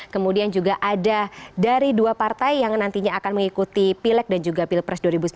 kemudian juga ada dari dua partai yang nantinya akan mengikuti pilek dan juga pilpres dua ribu sembilan belas